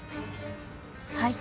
はい。